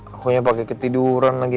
aku aja pake ketiduran lagi